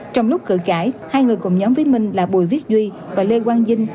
trong lúc cử cãi hai người cùng nhóm viết minh là bùi viết duy và lê quang dinh